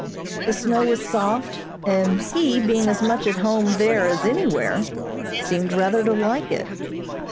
The snow was soft, and he, being as much at home there as anywhere, seemed rather to like it.